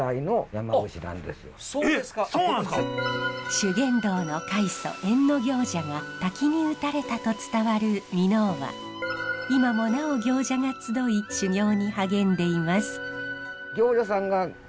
修験道の開祖役行者が滝に打たれたと伝わる箕面は今もなお行者が集い修行に励んでいます。